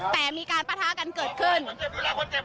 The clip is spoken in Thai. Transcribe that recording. แต่มีการประทะกันเกิดขึ้นคนเจ็บก่อนนะครับ